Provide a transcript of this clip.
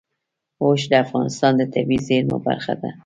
اوښ د افغانستان د طبیعي زیرمو برخه ده.